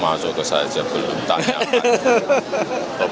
masuk ke saja belum tak nyaman